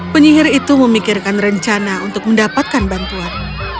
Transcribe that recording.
penyihir itu memikirkan rencana untuk mendapatkan bantuan